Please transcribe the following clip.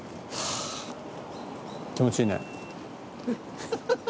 あ気持ちいいね。